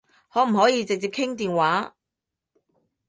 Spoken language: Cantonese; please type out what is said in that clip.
可唔可以直接傾電話？